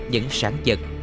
những sản dật